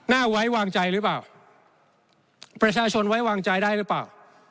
ไว้วางใจหรือเปล่าประชาชนไว้วางใจได้หรือเปล่า